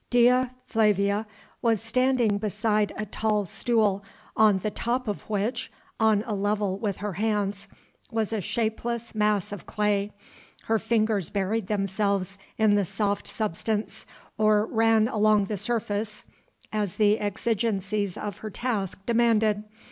Dea Flavia was standing beside a tall stool, on the top of which on a level with her hands was a shapeless mass of clay. Her fingers buried themselves in the soft substance or ran along the surface, as the exigencies of her task demanded.